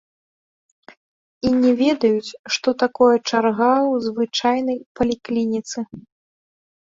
І не ведаюць, што такое чарга ў звычайнай паліклініцы.